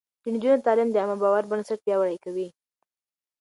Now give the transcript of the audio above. د نجونو تعليم د عامه باور بنسټ پياوړی کوي.